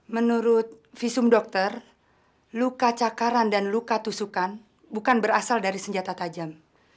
menurut visum dokter luka cakaran dan luka tusukan bukan berasal dari senjata tajam